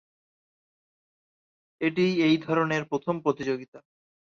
এটিই এই ধরনের প্রথম প্রতিযোগিতা।